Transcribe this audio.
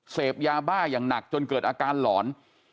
เสพยาบ้าอย่างหนักจนเกิดอาการหลอน